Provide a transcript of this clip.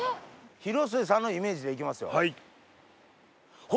広末さんのイメージで行きますよ。